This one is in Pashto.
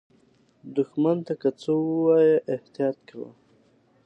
دښمن ته که څه ووایې، احتیاط کوه